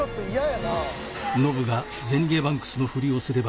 「ノブがゼニゲバンクスのフリをすれば」